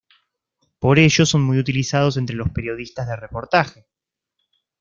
Por ello, son muy utilizados entre los periodistas de reportaje.